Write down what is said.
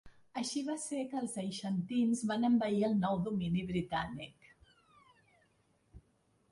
Així va ser que els aixantis van envair el nou domini britànic.